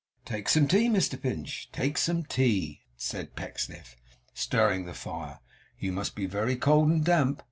'Take some tea, Mr Pinch take some tea,' said Pecksniff, stirring the fire. 'You must be very cold and damp.